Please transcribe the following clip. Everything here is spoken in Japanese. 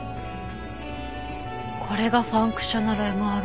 これがファンクショナルＭＲＩ。